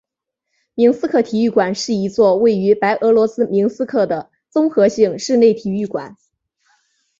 明斯克体育馆是一座位于白俄罗斯明斯克的综合性室内体育馆。